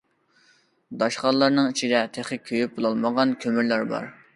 داشقاللارنىڭ ئىچىدە تېخى كۆيۈپ بولالمىغان كۆمۈرلەر بار.